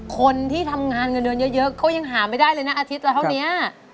คนที่ทำงานเงินเดือนเยอะเขายังหาไม่ได้เลยนะอาทิตย์ละเท่านี้